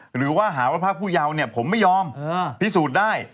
หรือว่าหาวัตถาผู้เยาผมไม่ยอมพิสูจน์ได้